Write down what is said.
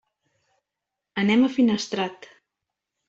Anem a Finestrat.